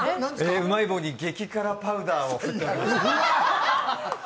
うまい棒に激辛パウダーを振ってありました。